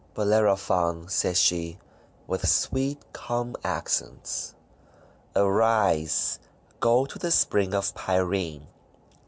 "Bellerophon," said she, with sweet, calm accents, "arise, go to the Spring of Pirene.